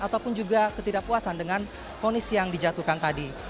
ataupun juga ketidakpuasan dengan fonis yang dijatuhkan tadi